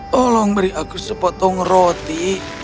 tolong beri aku sepotong roti